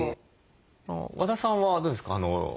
和田さんはどうですか？